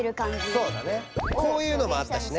そうだねこういうのもあったしね。